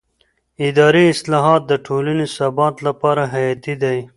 اداري اصلاح د ټولنې ثبات لپاره حیاتي دی